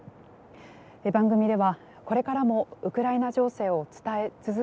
番組ではこれからもウクライナ情勢を伝え続けていきます。